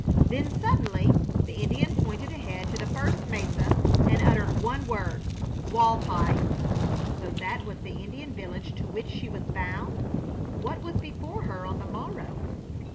Then, suddenly, the Indian pointed ahead to the first mesa and uttered one word "Walpi!" So that was the Indian village to which she was bound? What was before her on the morrow?